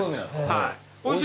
はい。